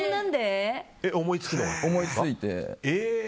思いついて。